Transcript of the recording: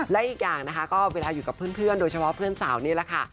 และอีกอย่างนะคะก็เวลาอยู่กับเพื่อนโดยเฉพาะเพื่อนสาวนี่แหละค่ะ